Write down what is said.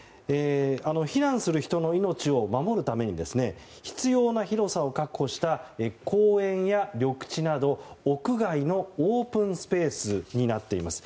避難する人の命を守るために必要な広さを確保した公園や緑地など屋外のオープンスペースになっています。